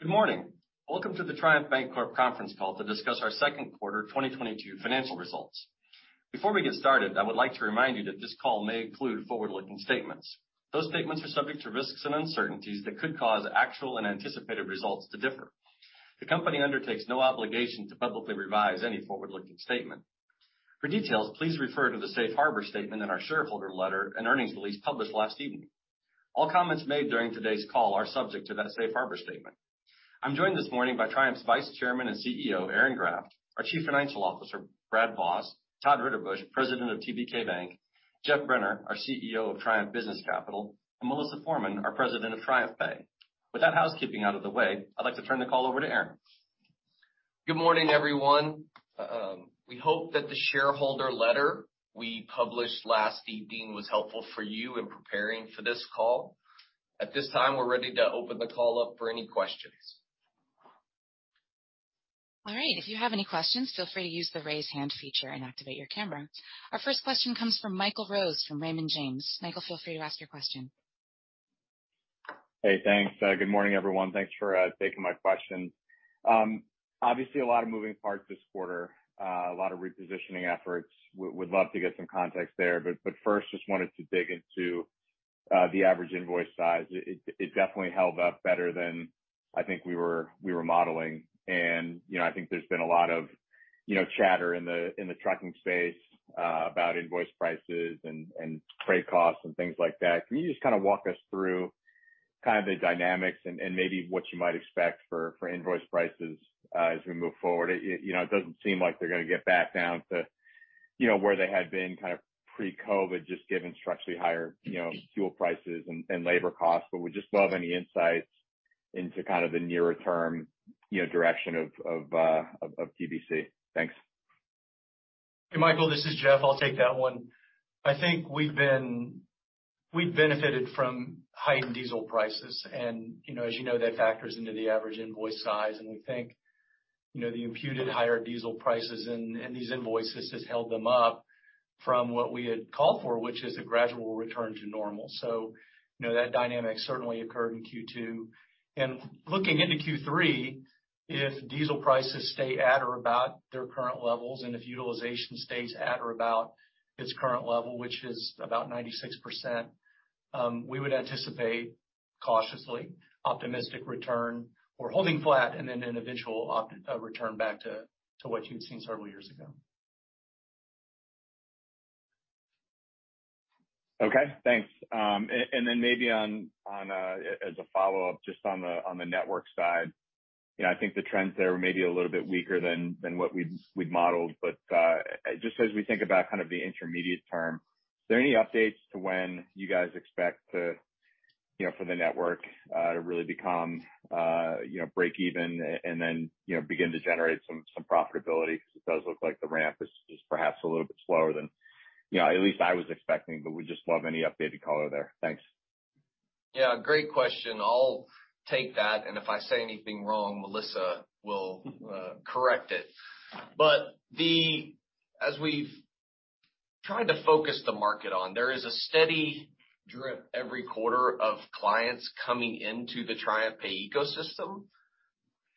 Good morning. Welcome to the Triumph Bank Corp Conference Call to discuss our second quarter 2022 financial results. Before we get started, I would like to remind you that this call may include forward-looking statements. Those statements are subject to risks and uncertainties that could cause actual and anticipated results to differ. The company undertakes no obligation to publicly revise any forward-looking statement. For details, please refer to the safe harbor statement in our shareholder letter and earnings release published last evening. All comments made during today's call are subject to that safe harbor statement. I'm joined this morning by Triumph's Vice Chairman and Chief Executive Officer, Aaron Graft, our Chief Financial Officer, Brad Voss, Todd Ritterbusch, President of TBK Bank, Geoff Brenner, our Chief Executive Officer of Triumph Business Capital, and Melissa Forman, our President of TriumphPay. With that housekeeping out of the way, I'd like to turn the call over to Aaron. Good morning, everyone. We hope that the shareholder letter we published last evening was helpful for you in preparing for this call. At this time, we're ready to open the call up for any questions. All right. If you have any questions, feel free to use the Raise Hand feature and activate your camera. Our first question comes from Michael Rose, from Raymond James. Michael, feel free to ask your question. Hey, thanks. Good morning, everyone. Thanks for taking my question. Obviously a lot of moving parts this quarter, a lot of repositioning efforts. Would love to get some context there. First, just wanted to dig into the average invoice size. It definitely held up better than I think we were modeling. You know, I think there's been a lot of you know, chatter in the trucking space about invoice prices and freight costs and things like that. Can you just kinda walk us through kind of the dynamics and maybe what you might expect for invoice prices as we move forward? You know, it doesn't seem like they're gonna get back down to, you know, where they had been kind of pre-COVID, just given structurally higher, you know, fuel prices and labor costs. Would just love any insights into kind of the nearer term, you know, direction of TBC. Thanks. Hey, Michael Rose, this is Geoff Brenner. I'll take that one. I think we've benefited from heightened diesel prices. You know, as you know, that factors into the average invoice size. We think, you know, the imputed higher diesel prices in these invoices has held them up from what we had called for, which is a gradual return to normal. You know, that dynamic certainly occurred in Q2. Looking into Q3, if diesel prices stay at or about their current levels, and if utilization stays at or about its current level, which is about 96%, we would anticipate cautiously optimistic return or holding flat and then an eventual upturn back to what you had seen several years ago. Okay, thanks. Maybe on as a follow-up, just on the network side, you know, I think the trends there were maybe a little bit weaker than what we'd modeled. Just as we think about kind of the intermediate term, is there any updates to when you guys expect to, you know, for the network to really become, you know, break even and then, you know, begin to generate some profitability? Because it does look like the ramp is just perhaps a little bit slower than, you know, at least I was expecting. Would just love any updated color there. Thanks. Yeah, great question. I'll take that, and if I say anything wrong, Melissa will correct it. As we've tried to focus the market on, there is a steady drip every quarter of clients coming into the TriumphPay ecosystem.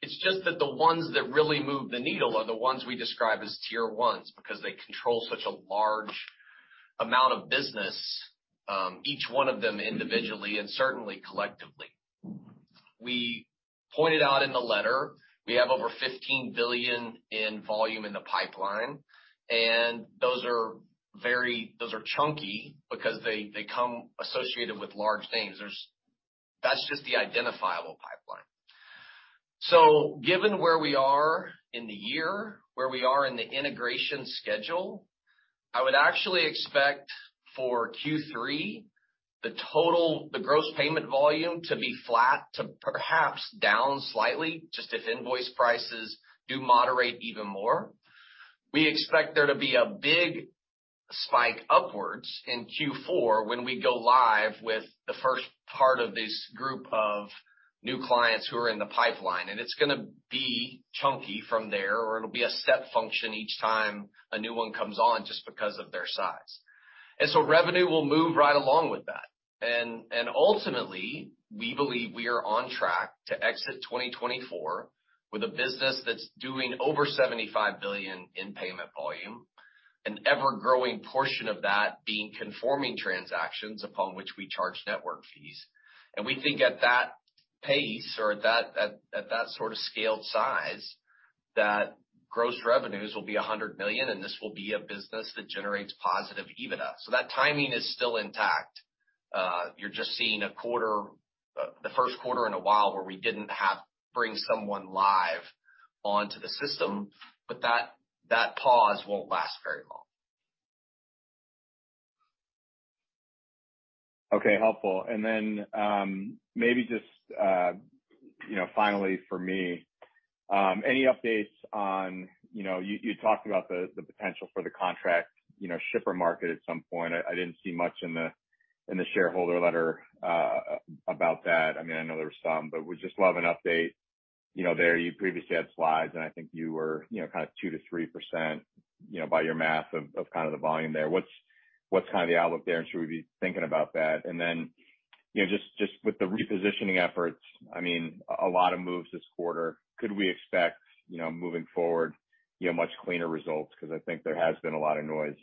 It's just that the ones that really move the needle are the ones we describe as tier ones because they control such a large amount of business, each one of them individually and certainly collectively. We pointed out in the letter, we have over $15 billion in volume in the pipeline, and those are chunky because they come associated with large names. That's just the identifiable pipeline. Given where we are in the year, where we are in the integration schedule, I would actually expect for Q3, the gross payment volume to be flat to perhaps down slightly, just if invoice prices do moderate even more. We expect there to be a big spike upwards in Q4 when we go live with the first part of this group of new clients who are in the pipeline. It's gonna be chunky from there, or it'll be a set function each time a new one comes on just because of their size. Revenue will move right along with that. Ultimately, we believe we are on track to exit 2024 with a business that's doing over $75 billion in payment volume, an ever-growing portion of that being conforming transactions upon which we charge network fees. We think at that pace or at that sort of scaled size, that gross revenues will be $100 million, and this will be a business that generates positive EBITDA. That timing is still intact. You're just seeing a quarter, the first quarter in a while where we didn't have to bring someone live onto the system, but that pause won't last very long. Okay, helpful. Maybe just, you know, finally for me, any updates on, you know, you talked about the potential for the contract shipper market at some point. I didn't see much in the shareholder letter about that. I mean, I know there was some, but would just love an update. You know, you previously had slides, and I think you were, you know, kind of 2%-3%, you know, by your math of kind of the volume there. What's kind of the outlook there, and should we be thinking about that? Just with the repositioning efforts, I mean, a lot of moves this quarter. Could we expect, you know, moving forward, you know, much cleaner results? 'Cause I think there has been a lot of noise,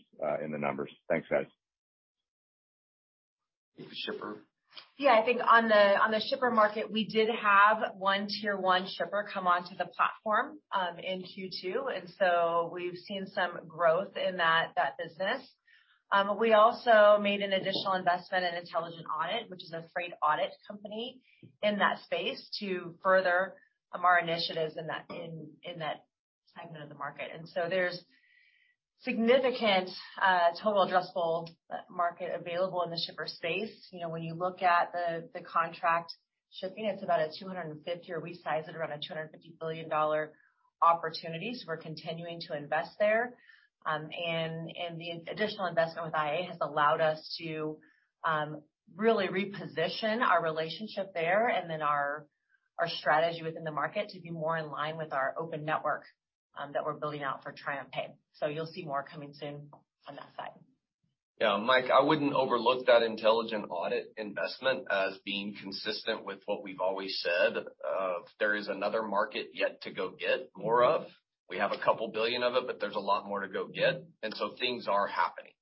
in the numbers. Thanks, guys. Shipper. Yeah, I think on the shipper market, we did have one tier 1 shipper come onto the platform, in Q2, and so we've seen some growth in that business. We also made an additional investment in Intelligent Audit, which is a freight audit company in that space to further our initiatives in that segment of the market. There's significant total addressable market available in the shipper space. You know, when you look at the contract shipping, it's about a $250 billion, or we size it around a $250 billion opportunity, so we're continuing to invest there. The additional investment with IA has allowed us to really reposition our relationship there, and then our strategy within the market to be more in line with our open network that we're building out for TriumphPay. You'll see more coming soon on that side. Yeah, Mike, I wouldn't overlook that Intelligent Audit investment as being consistent with what we've always said. There is another market yet to go get more of. We have $2 billion of it, but there's a lot more to go get, and so things are happening.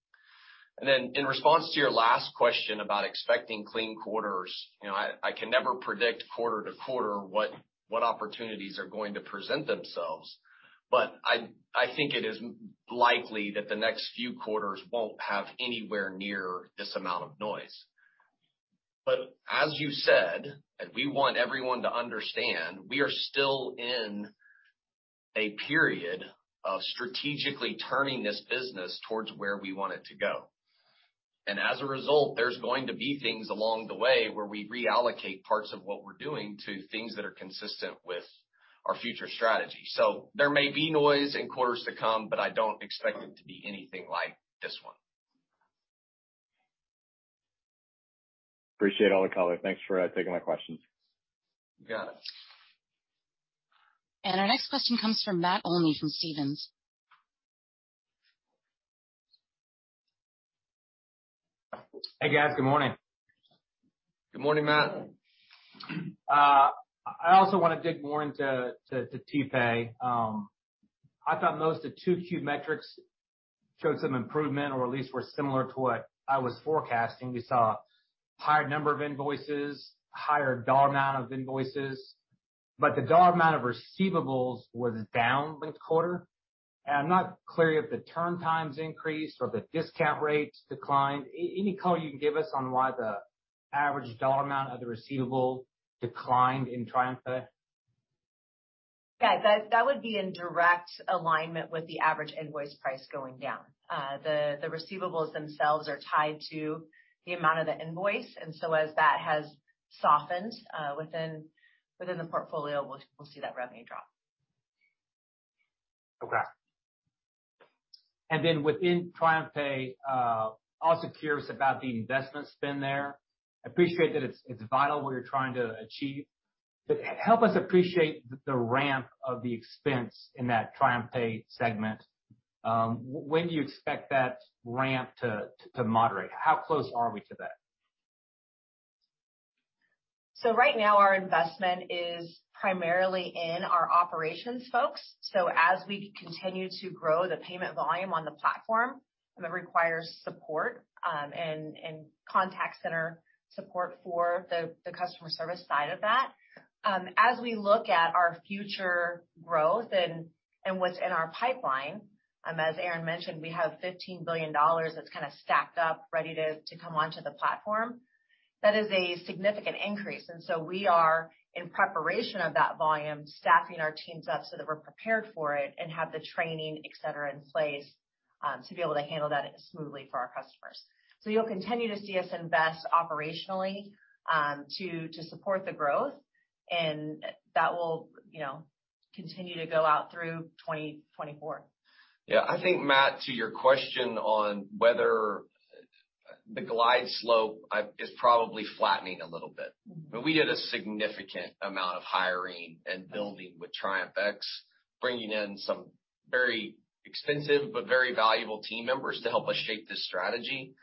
In response to your last question about expecting clean quarters, you know, I can never predict quarter to quarter what opportunities are going to present themselves. I think it is likely that the next few quarters won't have anywhere near this amount of noise. As you said, and we want everyone to understand, we are still in a period of strategically turning this business towards where we want it to go. As a result, there's going to be things along the way where we reallocate parts of what we're doing to things that are consistent with our future strategy. There may be noise in quarters to come, but I don't expect it to be anything like this one. Appreciate all the color. Thanks for taking my questions. You got it. Our next question comes from Matt Olney from Stephens. Hey, guys. Good morning. Good morning, Matt. I also wanna dig more into TPay. I thought most of 2Q metrics showed some improvement or at least were similar to what I was forecasting. We saw higher number of invoices, higher dollar amount of invoices, but the dollar amount of receivables was down linked quarter. I'm not clear if the turn times increased or the discount rates declined. Any color you can give us on why the average dollar amount of the receivable declined in TriumphPay? Yeah. That would be in direct alignment with the average invoice price going down. The receivables themselves are tied to the amount of the invoice, and so as that has softened, within the portfolio, we'll see that revenue drop. Okay. Within TriumphPay, also curious about the investment spend there. Appreciate that it's vital what you're trying to achieve, but help us appreciate the ramp of the expense in that TriumphPay segment. When do you expect that ramp to moderate? How close are we to that? Right now, our investment is primarily in our operations folks. As we continue to grow the payment volume on the platform, that requires support, and contact center support for the customer service side of that. As we look at our future growth and what's in our pipeline, as Aaron mentioned, we have $15 billion that's kinda stacked up, ready to come onto the platform. That is a significant increase, and we are in preparation of that volume, staffing our teams up so that we're prepared for it and have the training, et cetera, in place, to be able to handle that smoothly for our customers. You'll continue to see us invest operationally, to support the growth, and that will, you know, continue to go out through 2024. Yeah. I think, Matt, to your question on whether the glide slope is probably flattening a little bit. We did a significant amount of hiring and building with TriumphX, bringing in some very expensive but very valuable team members to help us shape this strategy.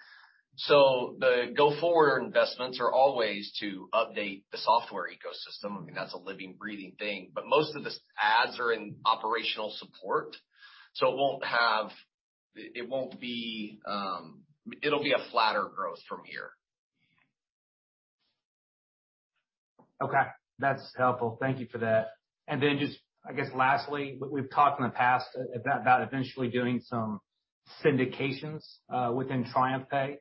The go-forward investments are always to update the software ecosystem. I mean, that's a living, breathing thing. Most of these adds are in operational support. It'll be a flatter growth from here. Okay. That's helpful. Thank you for that. Just, I guess, lastly, we've talked in the past about eventually doing some syndications within TriumphPay.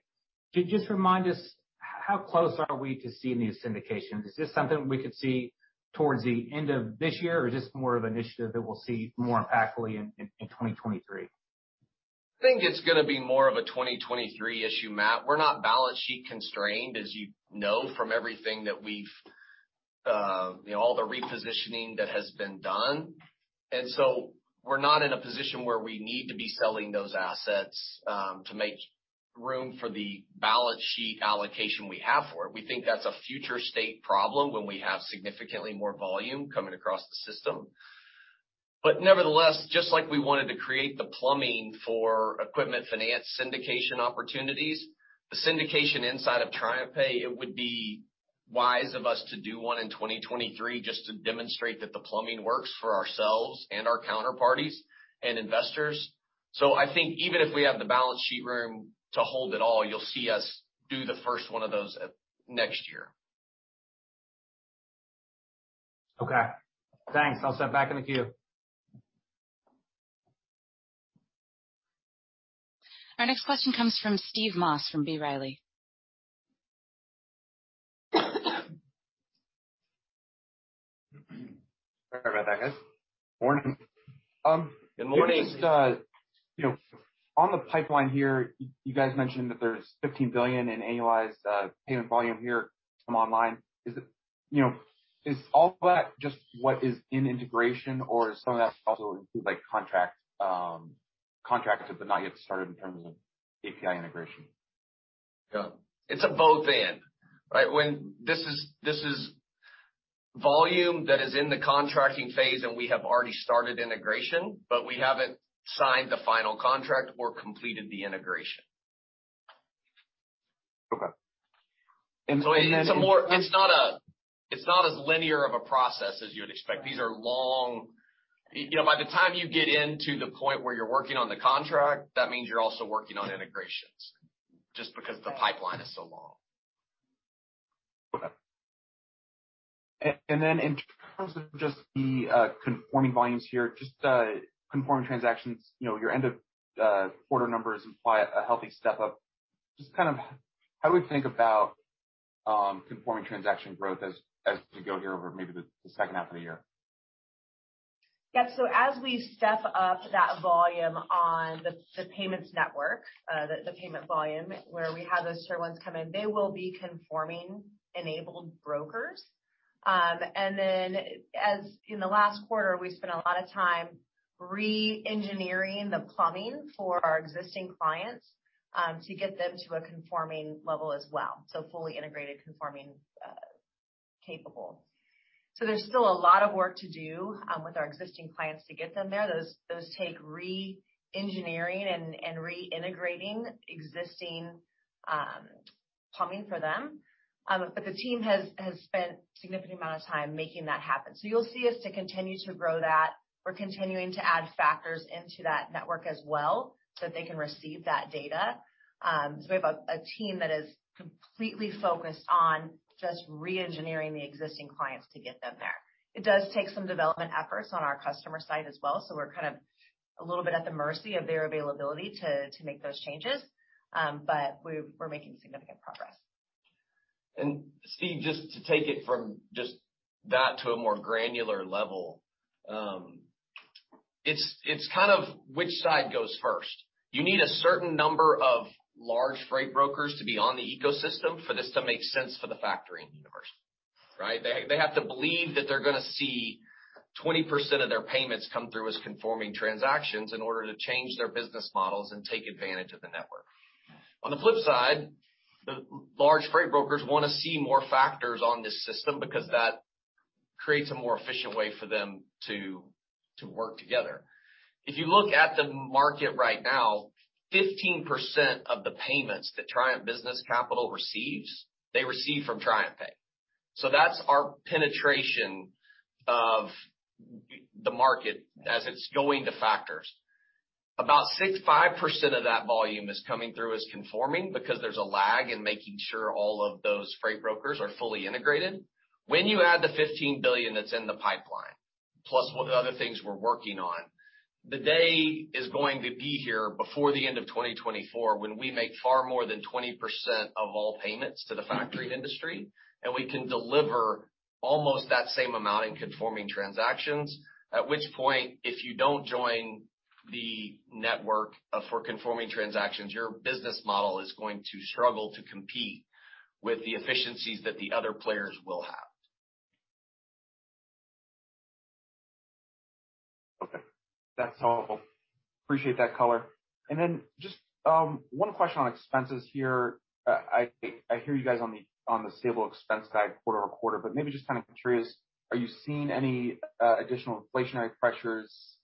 Could you just remind us how close are we to seeing these syndications? Is this something we could see towards the end of this year, or just more of an initiative that we'll see more impactfully in 2023? I think it's gonna be more of a 2023 issue, Matt. We're not balance sheet constrained, as you know, from everything that we've you know all the repositioning that has been done. We're not in a position where we need to be selling those assets, to make room for the balance sheet allocation we have for it. We think that's a future state problem when we have significantly more volume coming across the system. Nevertheless, just like we wanted to create the plumbing for equipment finance syndication opportunities, the syndication inside of TriumphPay, it would be wise of us to do one in 2023 just to demonstrate that the plumbing works for ourselves, and our counterparties, and investors. I think even if we have the balance sheet room to hold it all, you'll see us do the first one of those next year. Okay, thanks. I'll step back in the queue. Our next question comes from Steve Moss from B. Riley. Sorry about that, guys. Morning. Good morning. Just, you know, on the pipeline here, you guys mentioned that there's $15 billion in annualized payment volume here from online. Is it? You know, is all that just what is in integration or is some of that also includes, like, contracts that have not yet started in terms of API integration? Yeah. It's a both and, right? This is volume that is in the contracting phase, and we have already started integration, but we haven't signed the final contract or completed the integration. Okay. It's not as linear of a process as you would expect. These are long, you know, by the time you get into the point where you're working on the contract, that means you're also working on integrations, just because the pipeline is so long. Okay. In terms of just the conforming volumes here, just conforming transactions, you know, your end of quarter numbers imply a healthy step up. Just kind of how we think about conforming transaction growth as we go here over maybe the second half of the year. Yeah. As we step up that volume on the payments network, the payment volume where we have those share ones come in, they will be conforming enabled brokers. As in the last quarter, we spent a lot of time re-engineering the plumbing for our existing clients to get them to a conforming level as well, so fully integrated conforming capable. There's still a lot of work to do with our existing clients to get them there. Those take re-engineering and reintegrating existing plumbing for them. The team has spent significant amount of time making that happen. You'll see us to continue to grow that. We're continuing to add factors into that network as well, so they can receive that data. We have a team that is completely focused on just re-engineering the existing clients to get them there. It does take some development efforts on our customer side as well, so we're kind of a little bit at the mercy of their availability to make those changes. We're making significant progress. Steve, just to take it from just that to a more granular level, it's kind of which side goes first. You need a certain number of large freight brokers to be on the ecosystem for this to make sense for the factoring universe, right? They have to believe that they're gonna see 20% of their payments come through as conforming transactions in order to change their business models and take advantage of the network. On the flip side, the large freight brokers wanna see more factors on this system because that creates a more efficient way for them to work together. If you look at the market right now, 15% of the payments that Triumph Business Capital receives they receive from TriumphPay. So that's our penetration of the market as it's going to factors. About 6.5% of that volume is coming through as conforming because there's a lag in making sure all of those freight brokers are fully integrated. When you add the $15 billion that's in the pipeline, plus what other things we're working on, the day is going to be here before the end of 2024 when we make far more than 20% of all payments to the factoring industry, and we can deliver almost that same amount in conforming transactions. At which point, if you don't join the network for conforming transactions, your business model is going to struggle to compete with the efficiencies that the other players will have. Okay. That's all. Appreciate that color. One question on expenses here. I hear you guys on the stable expense guide quarter over quarter, but maybe just kind of curious, are you seeing any additional inflationary pressures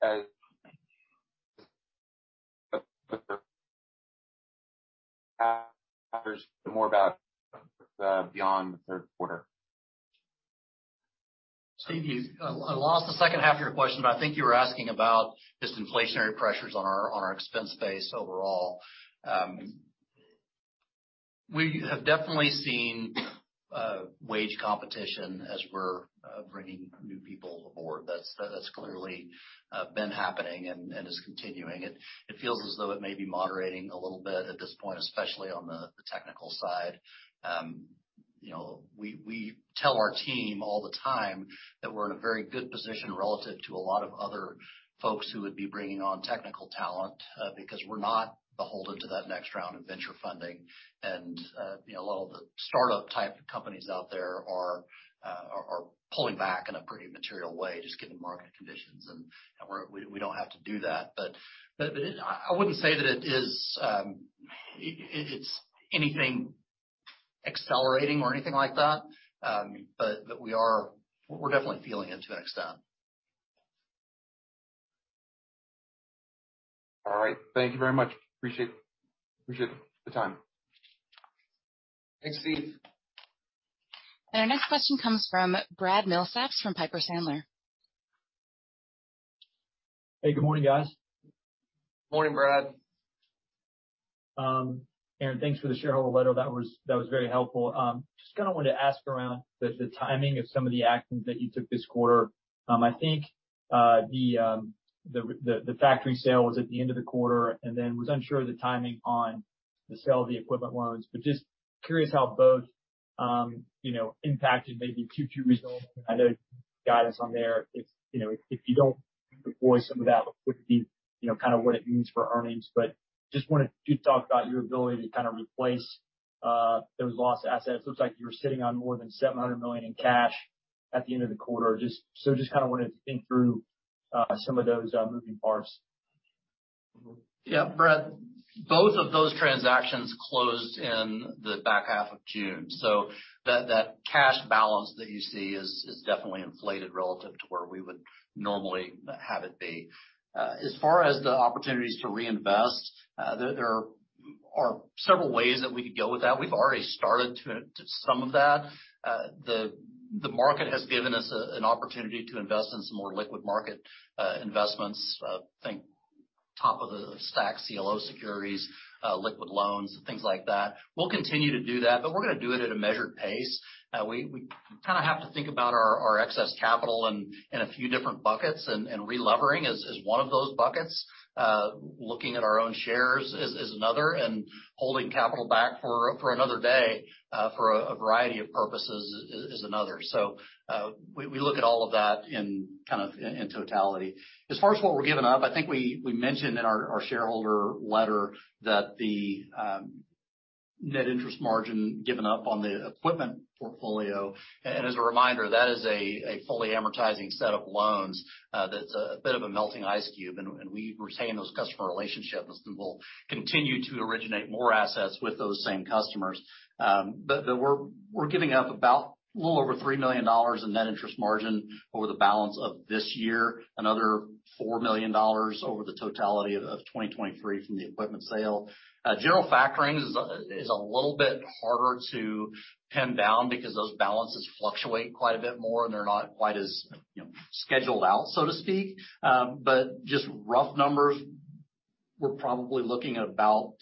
beyond the third quarter? Steve, I lost the second half of your question, but I think you were asking about just inflationary pressures on our expense base overall. We have definitely seen wage competition as we're bringing new people aboard. That's clearly been happening and is continuing. It feels as though it may be moderating a little bit at this point, especially on the technical side. You know, we tell our team all the time that we're in a very good position relative to a lot of other Folks who would be bringing on technical talent, because we're not beholden to that next round of venture funding. You know, a lot of the startup type companies out there are pulling back in a pretty material way just given market conditions, and we don't have to do that. I wouldn't say that it's anything accelerating or anything like that. We're definitely feeling it to an extent. All right. Thank you very much. Appreciate the time. Thanks, Steve. Our next question comes from Brad Milsaps from Piper Sandler. Hey, good morning, guys. Morning, Brad. Aaron, thanks for the shareholder letter. That was very helpful. Just kinda wanted to ask around the timing of some of the actions that you took this quarter. I think the factoring sale was at the end of the quarter, and then was unsure of the timing on the sale of the equipment loans. Just curious how both you know impacted maybe Q2 results. I know you guided us on there. If you know, if you don't deploy some of that liquidity, you know, kind of what it means for earnings. Just wanted you to talk about your ability to kind of replace those lost assets. Looks like you were sitting on more than $700 million in cash at the end of the quarter. Just kind of wanted to think through some of those moving parts. Yeah, Brad, both of those transactions closed in the back half of June. That cash balance that you see is definitely inflated relative to where we would normally have it be. As far as the opportunities to reinvest, there are several ways that we could go with that. We've already started to some of that. The market has given us an opportunity to invest in some more liquid market investments. Think top of the stack CLO securities, liquid loans and things like that. We'll continue to do that, but we're gonna do it at a measured pace. We kind of have to think about our excess capital in a few different buckets. Relevering is one of those buckets. Looking at our own shares is another, and holding capital back for another day, for a variety of purposes is another. We look at all of that in totality. As far as what we're giving up, I think we mentioned in our shareholder letter that the net interest margin given up on the equipment portfolio. As a reminder, that is a fully amortizing set of loans, that's a bit of a melting ice cube. We retain those customer relationships, and we'll continue to originate more assets with those same customers. We're giving up about a little over $3 million in net interest margin over the balance of this year, another $4 million over the totality of 2023 from the equipment sale. General factorings is a little bit harder to pin down because those balances fluctuate quite a bit more, and they're not quite as, you know, scheduled out, so to speak. Just rough numbers, we're probably looking at about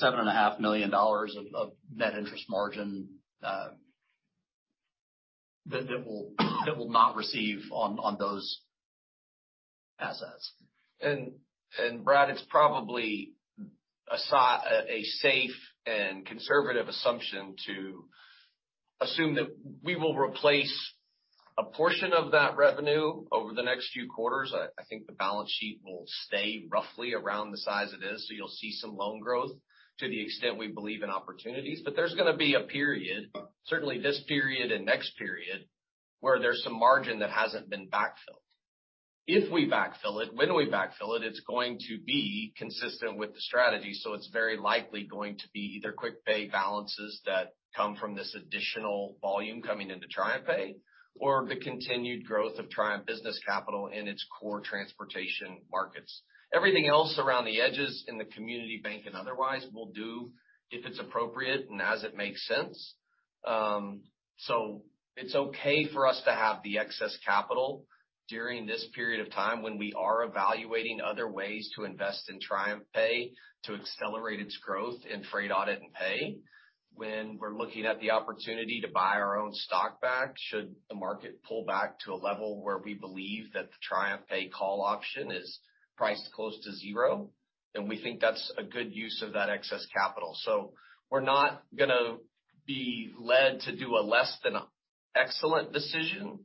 $7.5 million of net interest margin that we'll not receive on those assets. Brad, it's probably a safe and conservative assumption to assume that we will replace a portion of that revenue over the next few quarters. I think the balance sheet will stay roughly around the size it is. You'll see some loan growth to the extent we believe in opportunities. There's gonna be a period, certainly this period and next period, where there's some margin that hasn't been backfilled. If we backfill it, when we backfill it's going to be consistent with the strategy. It's very likely going to be either quick pay balances that come from this additional volume coming into TriumphPay or the continued growth of Triumph Business Capital in its core transportation markets. Everything else around the edges in the community bank and otherwise, we'll do if it's appropriate and as it makes sense. It's okay for us to have the excess capital during this period of time when we are evaluating other ways to invest in TriumphPay to accelerate its growth in freight audit and pay. When we're looking at the opportunity to buy our own stock back, should the market pull back to a level where we believe that the TriumphPay call option is priced close to zero, then we think that's a good use of that excess capital. We're not gonna be led to do a less than excellent decision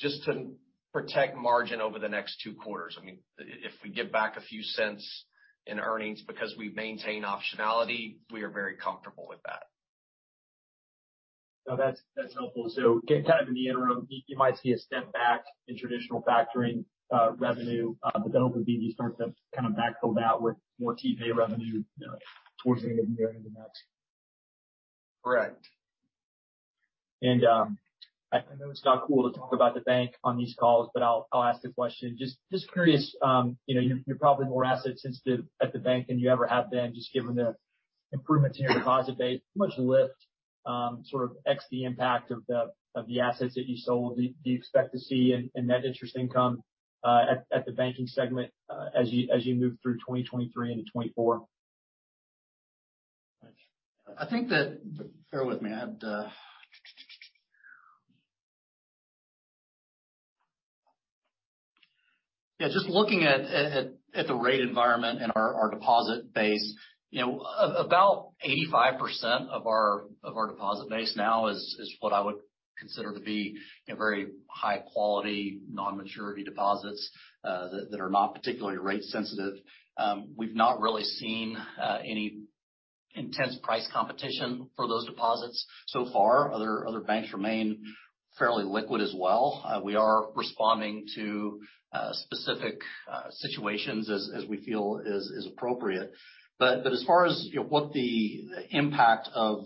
just to protect margin over the next two quarters. I mean, if we give back a few cents in earnings because we maintain optionality, we are very comfortable with that. No, that's helpful. Kind of in the interim, you might see a step back in traditional factoring revenue, but that would be the start to kind of backfill that with more TPay revenue, you know, towards the end of the year into next. Correct. I know it's not cool to talk about the bank on these calls, but I'll ask the question. Just curious, you know, you're probably more asset sensitive at the bank than you ever have been, just given the improvement in your deposit base. How much lift, sort of ex the impact of the assets that you sold do you expect to see in net interest income at the banking segment as you move through 2023 into 2024? Bear with me. Yeah, just looking at the rate environment and our deposit base. You know, about 85% of our deposit base now is what I would- Consider to be, you know, very high quality non-maturity deposits, that are not particularly rate sensitive. We've not really seen any intense price competition for those deposits so far. Other banks remain fairly liquid as well. We are responding to specific situations as we feel is appropriate. As far as, you know, what the impact of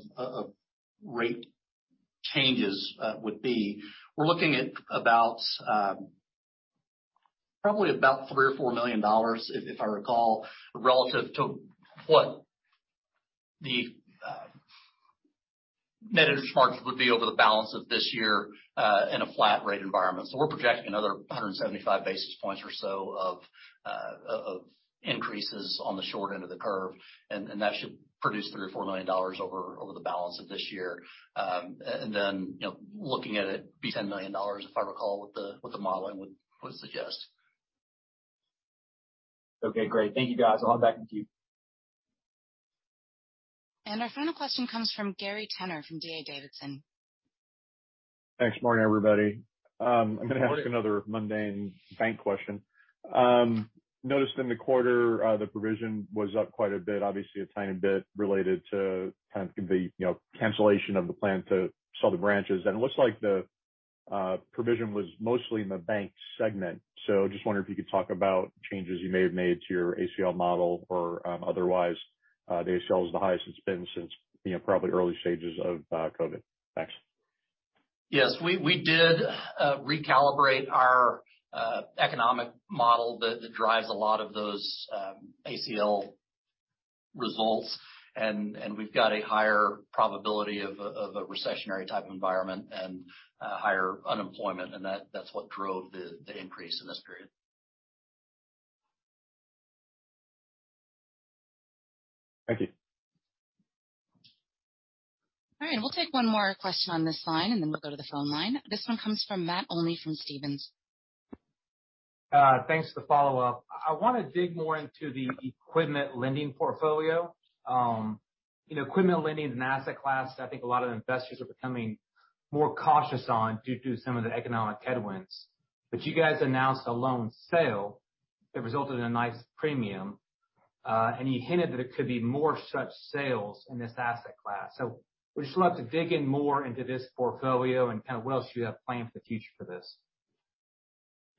rate changes would be, we're looking at about, probably about $3 million-$4 million, if I recall, relative to what the net interest margin would be over the balance of this year, in a flat rate environment. We're projecting another 175 basis points or so of increases on the short end of the curve, and that should produce $3 million-$4 million over the balance of this year. You know, looking at it, maybe $10 million, if I recall what the modeling would suggest. Okay, great. Thank you, guys. I'll back to you. Our final question comes from Gary Tenner from D.A. Davidson. Thanks. Morning, everybody. I'm gonna ask another mundane bank question. Noticed in the quarter, the provision was up quite a bit, obviously a tiny bit related to kind of the, you know, cancellation of the plan to sell the branches. It looks like the provision was mostly in the bank segment. Just wondering if you could talk about changes you may have made to your ACL model or otherwise. The ACL is the highest it's been since, you know, probably early stages of COVID. Thanks. Yes. We did recalibrate our economic model that drives a lot of those ACL results. We've got a higher probability of a recessionary type environment and higher unemployment, and that's what drove the increase in this period. Thank you. All right, we'll take one more question on this line, and then we'll go to the phone line. This one comes from Matt Olney from Stephens. Thanks for the follow-up. I wanna dig more into the equipment lending portfolio. You know, equipment lending is an asset class I think a lot of investors are becoming more cautious on due to some of the economic headwinds. You guys announced a loan sale that resulted in a nice premium. You hinted that it could be more such sales in this asset class. Would you like to dig in more into this portfolio and kind of what else do you have planned for the future for this?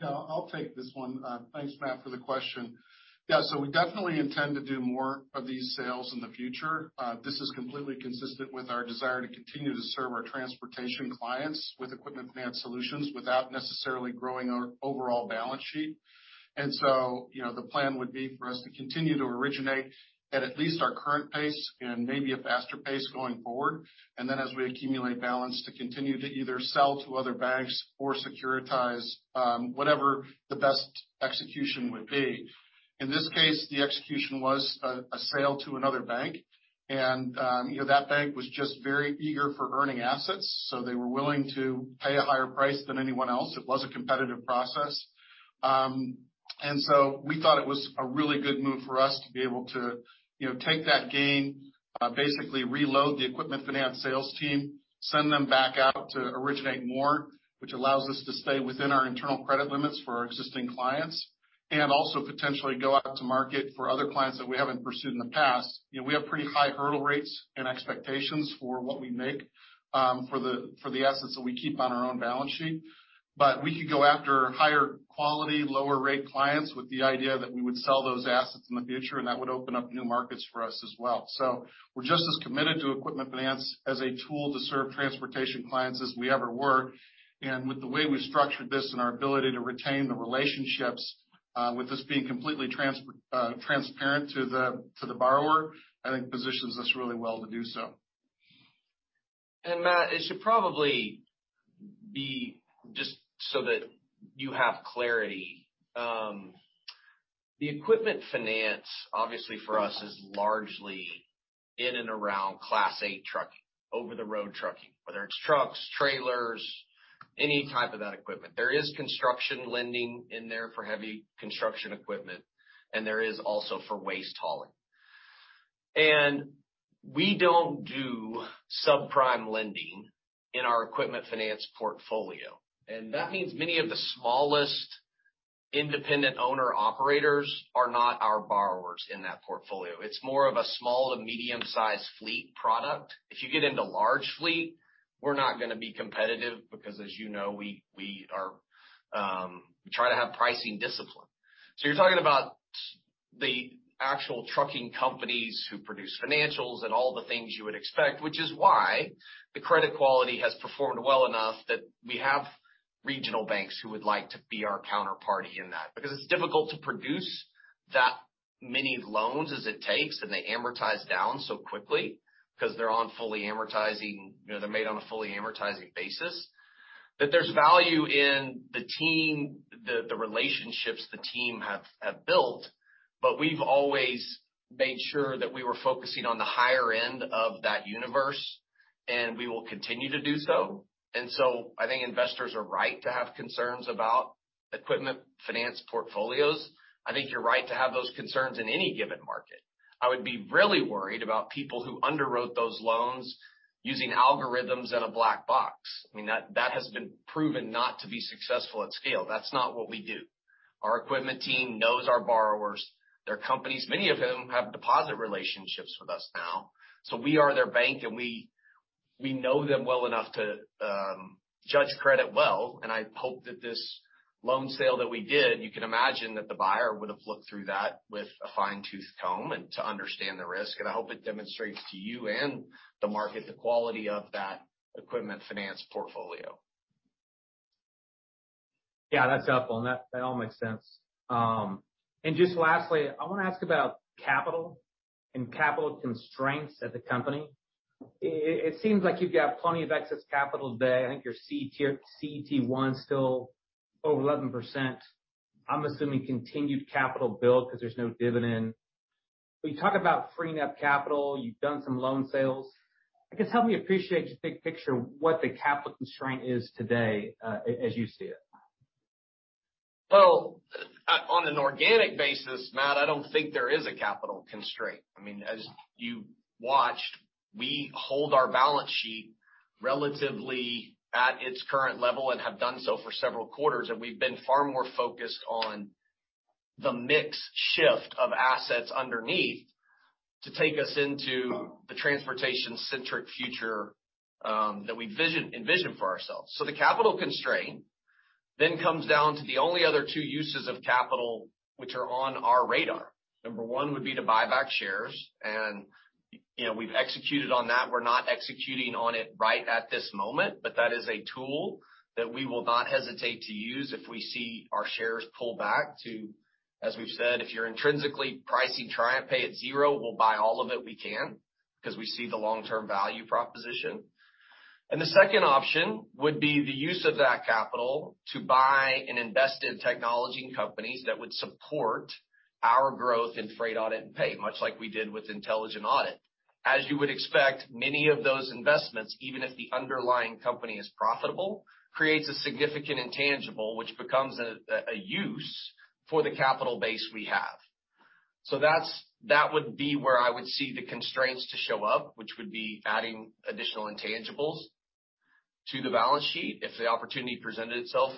Yeah, I'll take this one. Thanks, Matt, for the question. Yeah, so we definitely intend to do more of these sales in the future. This is completely consistent with our desire to continue to serve our transportation clients with equipment finance solutions without necessarily growing our overall balance sheet. You know, the plan would be for us to continue to originate at least our current pace and maybe a faster pace going forward, and then as we accumulate balance, to continue to either sell to other banks or securitize whatever the best execution would be. In this case, the execution was a sale to another bank. You know, that bank was just very eager for earning assets, so they were willing to pay a higher price than anyone else. It was a competitive process. We thought it was a really good move for us to be able to, you know, take that gain, basically reload the equipment finance sales team, send them back out to originate more, which allows us to stay within our internal credit limits for our existing clients, and also potentially go out to market for other clients that we haven't pursued in the past. You know, we have pretty high hurdle rates and expectations for what we make, for the assets that we keep on our own balance sheet. We could go after higher quality, lower rate clients with the idea that we would sell those assets in the future, and that would open up new markets for us as well. We're just as committed to equipment finance as a tool to serve transportation clients as we ever were. With the way we've structured this and our ability to retain the relationships, with this being completely transparent to the borrower, I think positions us really well to do so. Matt, it should probably be just so that you have clarity. The equipment finance, obviously for us, is largely in and around Class 8 trucking, over-the-road trucking, whether it's trucks, trailers, any type of that equipment. There is construction lending in there for heavy construction equipment, and there is also for waste hauling. We don't do subprime lending in our equipment finance portfolio. That means many of the smallest independent owner-operators are not our borrowers in that portfolio. It's more of a small to medium-sized fleet product. If you get into large fleet, we're not gonna be competitive because, as you know, we try to have pricing discipline. You're talking about the actual trucking companies who produce financials and all the things you would expect, which is why the credit quality has performed well enough that we have regional banks who would like to be our counterparty in that. Because it's difficult to produce that many loans as it takes, and they amortize down so quickly because they're on fully amortizing, you know, they're made on a fully amortizing basis. That there's value in the team, the relationships the team have built. We've always made sure that we were focusing on the higher end of that universe, and we will continue to do so. I think investors are right to have concerns about equipment finance portfolios. I think you're right to have those concerns in any given market. I would be really worried about people who underwrote those loans using algorithms in a black box. I mean, that has been proven not to be successful at scale. That's not what we do. Our equipment team knows our borrowers, their companies, many of whom have deposit relationships with us now. We are their bank, and we know them well enough to judge credit well. I hope that this loan sale that we did, you can imagine that the buyer would have looked through that with a fine-tooth comb and to understand the risk. I hope it demonstrates to you and the market the quality of that equipment finance portfolio. Yeah, that's helpful. That all makes sense. Just lastly, I wanna ask about capital and capital constraints at the company. It seems like you've got plenty of excess capital today. I think your CET1's still over 11%. I'm assuming continued capital build because there's no dividend. When you talk about freeing up capital, you've done some loan sales. I guess help me appreciate your big picture what the capital constraint is today, as you see it. Well, on an organic basis, Matt, I don't think there is a capital constraint. I mean, as you watched, we hold our balance sheet relatively at its current level and have done so for several quarters, and we've been far more focused on the mix shift of assets underneath to take us into the transportation-centric future, that we envision for ourselves. The capital constraint then comes down to the only other two uses of capital which are on our radar. Number one would be to buy back shares. You know, we've executed on that. We're not executing on it right at this moment, but that is a tool that we will not hesitate to use if we see our shares pull back to As we've said, if you're intrinsically pricing TriumphPay at zero, we'll buy all of it we can, 'cause we see the long-term value proposition. The second option would be the use of that capital to buy and invest in technology and companies that would support our growth in freight audit and pay, much like we did with Intelligent Audit. As you would expect, many of those investments, even if the underlying company is profitable, creates a significant intangible, which becomes a use for the capital base we have. That would be where I would see the constraints to show up, which would be adding additional intangibles to the balance sheet if the opportunity presented itself,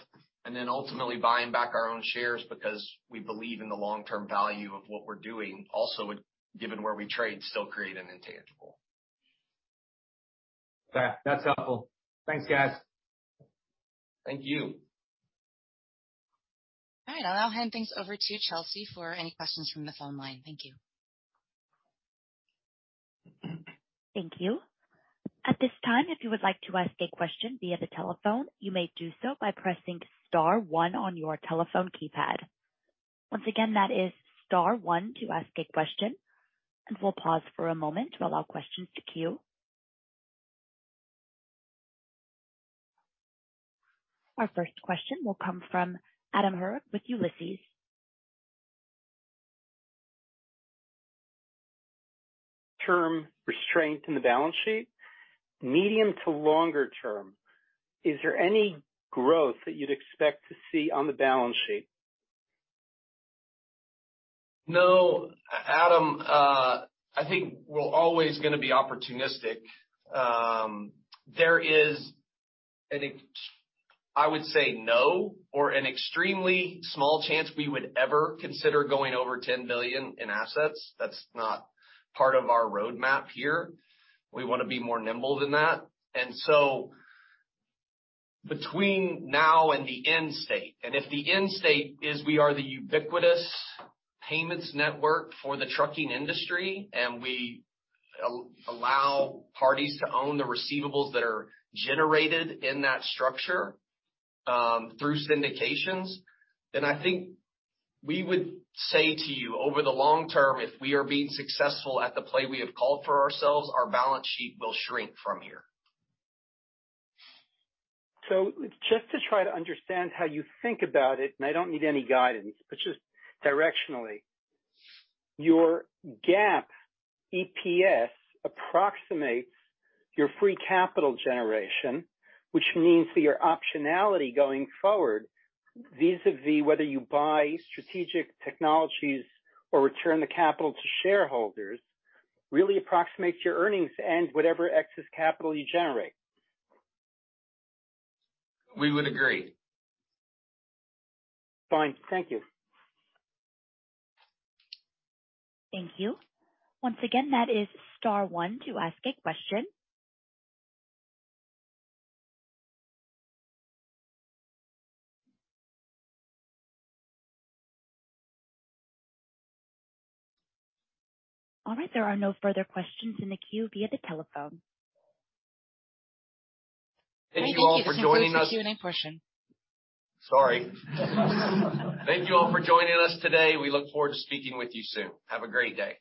and then ultimately buying back our own shares because we believe in the long-term value of what we're doing, also would, given where we trade, still create an intangible. That, that's helpful. Thanks, guys. Thank you. All right. I'll now hand things over to Chelsea for any questions from the phone line. Thank you. Thank you. At this time, if you would like to ask a question via the telephone, you may do so by pressing star one on your telephone keypad. Once again, that is star one to ask a question. We'll pause for a moment to allow questions to queue. Our first question will come from Adam Hurwich with Ulysses. Term restraint in the balance sheet. Medium to longer term, is there any growth that you'd expect to see on the balance sheet? No. Adam, I think we're always gonna be opportunistic. There is. I would say no or an extremely small chance we would ever consider going over $10 billion in assets. That's not part of our roadmap here. We wanna be more nimble than that. Between now and the end state, if the end state is we are the ubiquitous payments network for the trucking industry, and we allow parties to own the receivables that are generated in that structure, through syndications, then I think we would say to you, over the long term, if we are being successful at the play we have called for ourselves, our balance sheet will shrink from here. Just to try to understand how you think about it, and I don't need any guidance, but just directionally. Your GAAP EPS approximates your free capital generation, which means that your optionality going forward, vis-à-vis whether you buy strategic technologies or return the capital to shareholders, really approximates your earnings and whatever excess capital you generate. We would agree. Fine. Thank you. Thank you. Once again, that is star one to ask a question. All right, there are no further questions in the queue via the telephone. Thank you. This concludes the Q&A portion. Sorry. Thank you all for joining us today. We look forward to speaking with you soon. Have a great day.